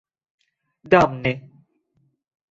damne